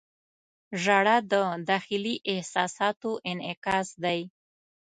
• ژړا د داخلي احساساتو انعکاس دی.